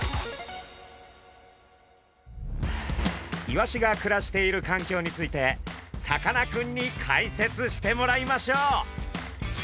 イワシが暮らしているかんきょうについてさかなクンに解説してもらいましょう。